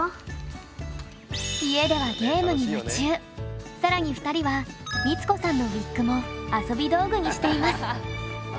家ではさらに２人は光子さんのウィッグも遊び道具にしています。